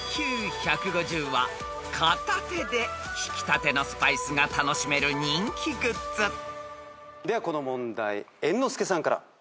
［ＩＱ１５０は片手でひきたてのスパイスが楽しめる人気グッズ］ではこの問題猿之助さんから。